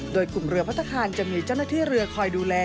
โดยกลุ่มเรือพัฒนาคารจะมีเจ้าหน้าที่เรือคอยดูแล